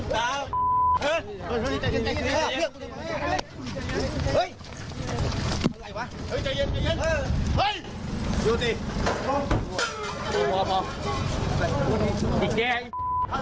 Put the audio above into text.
ตาม